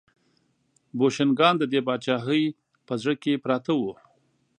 بوشنګان د دې پاچاهۍ په زړه کې پراته وو.